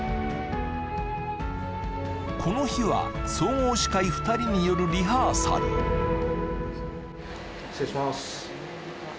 この日は総合司会２人によるリハーサル失礼します